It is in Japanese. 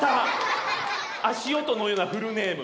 足音のようなフルネーム。